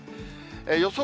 予想